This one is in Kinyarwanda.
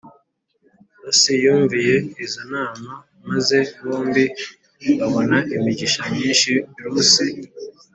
Rusi yumviye izo nama maze bombi babona imigisha myinshi Rusi